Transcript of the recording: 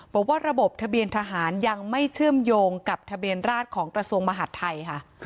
บอกว่าระบบทะเบียนทหารยังไม่เชื่อมโยงกับทะเบียนราชของกระทรวงมหาดไทยค่ะ